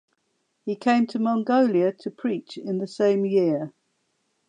He came to Mongolia to preach in the same year.